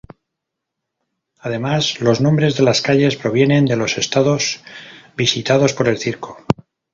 Además, los nombres de las calles provienen de los estados visitados por el circo.